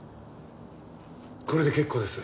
これで結構です。